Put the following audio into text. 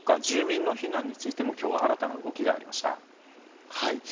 住民の避難についても今日、新たな動きがありました。